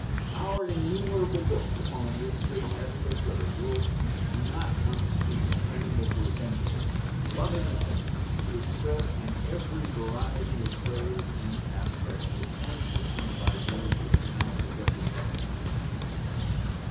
Our innumerable books upon this great edifice of a World Peace do not constitute a scramble for attention, but an attempt to express in every variety of phrase and aspect this one system of ideas which now possesses us all.